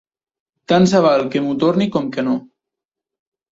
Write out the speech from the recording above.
Tant se val que m'ho torni com que no.